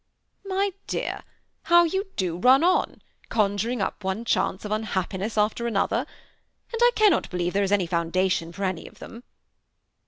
^ My dear, how you do run on, conjuring up one chance of unhappiness after another I and t cannot be lieve there is any foundation for any of them."